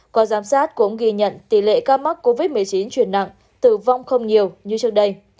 qua giám sát cũng ghi nhận tỷ lệ ca mắc covid một mươi chín chuyển nặng tử vong không nhiều như trước đây